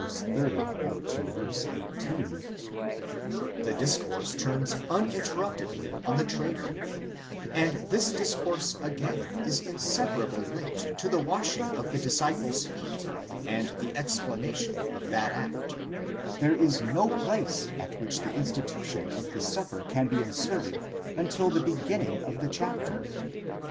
30 up to v. 18, the discourse turns uninter ruptedly on the traitor, and this discourse again is inseparably linked to the washing of the disciples' feet and the explanation of that act, there is no place at which the institution of the Supper can be inserted until the begin ning of the chapter.